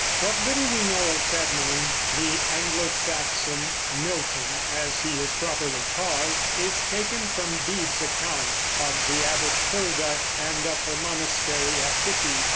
What little we know of Cædmon, the Anglo Saxon Milton, as he is properly called, is taken from Bede's account of the Abbess Hilda and of her monastery at Whitby.